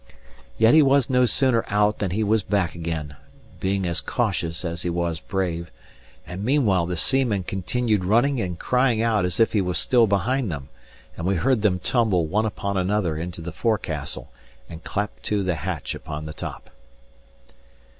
Yet he was no sooner out than he was back again, being as cautious as he was brave; and meanwhile the seamen continued running and crying out as if he was still behind them; and we heard them tumble one upon another into the forecastle, and clap to the hatch upon the top.